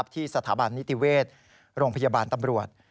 ที่สถาบันนิติเวชโรงพยาบาลตำรวจ